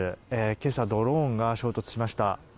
今朝、ドローンが衝突しました。